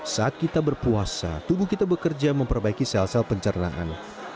saat kita berpuasa tubuh kita bekerja memperbaiki sel sel pencernaan